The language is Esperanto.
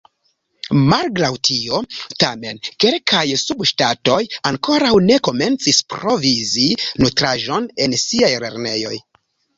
Malgraŭ tio, tamen, kelkaj subŝtatoj ankoraŭ ne komencis provizi nutraĵon en siaj lernejoj.